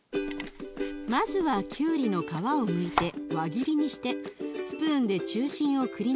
まずはきゅうりの皮をむいて輪切りにしてスプーンで中心をくりぬきます。